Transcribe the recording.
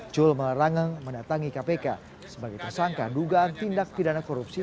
cul melarangeng mendatangi kpk sebagai tersangka dugaan tindak pidana korupsi